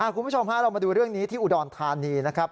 คุณผู้ชมฮะเรามาดูเรื่องนี้ที่อุดรธานีนะครับ